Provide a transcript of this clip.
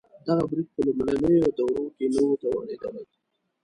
دغه برید په لومړنیو دورو کې نه و توانېدلی.